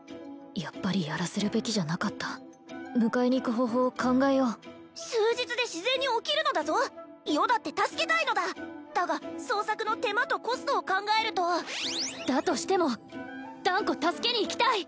やっぱりやらせるべきじゃなかった迎えに行く方法を考えよう数日で自然に起きるのだぞ余だって助けたいのだだが捜索の手間とコストを考えるとだとしても断固助けに行きたい！